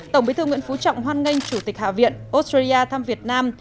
tổng bí thư nguyễn phú trọng hoan nghênh chủ tịch hạ viện australia thăm việt nam